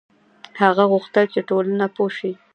هغه غوښتل چې ټولنه پوه شي.